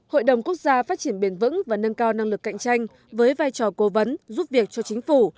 hội đồng quốc gia phát triển bền vững và nâng cao năng lực cạnh tranh với vai trò cố vấn giúp việc cho chính phủ